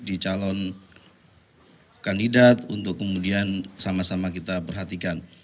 di calon kandidat untuk kemudian sama sama kita perhatikan